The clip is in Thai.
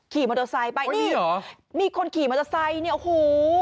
ขี่มอเตอร์ไซค์ไปนี่เหรอมีคนขี่มอเตอร์ไซค์เนี่ยโอ้โห